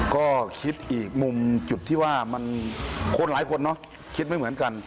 ก็คิดอีกมุมจุดที่ว่ามันคนหลายคนเนอะคิดไม่เหมือนกัน